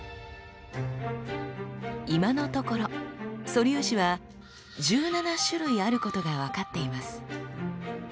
今のところ素粒子は１７種類あることが分かっています。